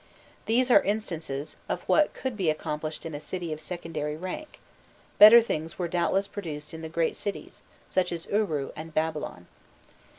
These are instances of what could be accomplished in a city of secondary rank; better things were doubtless produced in the great cities, such as Uru and Babylon.